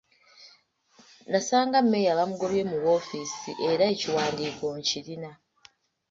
Nasanga mmeeya bamugobye mu woofiisi era ekiwandiiko nkirina.